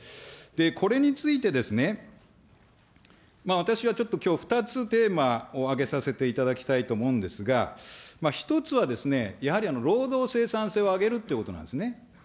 これについてですね、私はちょっと、きょう２つテーマを挙げさせていただきたいと思うんですが、１つはやはり労働生産性を上げるということなんですね。